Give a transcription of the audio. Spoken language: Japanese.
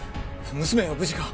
娘は無事か？